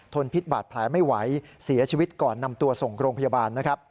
พิษบาดแผลไม่ไหวเสียชีวิตก่อนนำตัวส่งโรงพยาบาลนะครับ